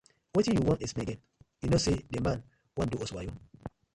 Wetin yu won explain again, we kno sey the man wan do us wayo.